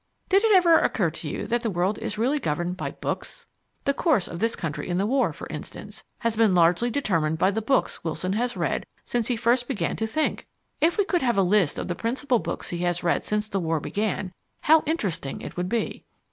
Did it ever occur to you that the world is really governed by BOOKS? The course of this country in the War, for instance, has been largely determined by the books Wilson has read since he first began to think! If we could have a list of the principal books he has read since the War began, how interesting it would be.